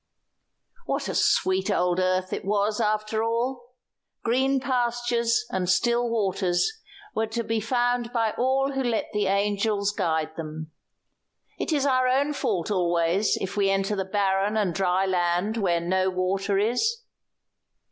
What a sweet old earth it was, after all! Green pastures and still waters were to be found by all who let the angels guide them. It is our own fault always if we enter the barren and dry land where no water is.